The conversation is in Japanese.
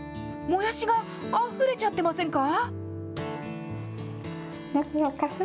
もやしがあふれちゃってませんか？